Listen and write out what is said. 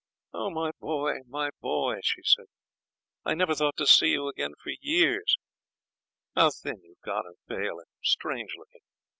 'Oh! my boy, my boy,' she said, 'I never thought to see you again for years. How thin you've got and pale, and strange looking.